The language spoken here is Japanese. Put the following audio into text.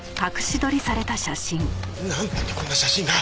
なんだってこんな写真が！？